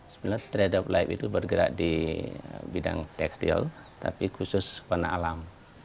sebenarnya trade of life itu bergerak di bidang tekstil tapi khusus warna alam